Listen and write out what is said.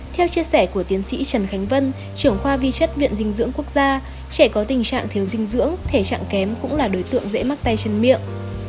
theo chia sẻ của tiến sĩ trần khánh vân trưởng khoa vi chất viện dinh dưỡng quốc gia trẻ có tình trạng thiếu dinh dưỡng thể trạng kém cũng là đối tượng dễ mắc tay chân miệng